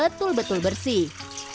buah betul betul bersih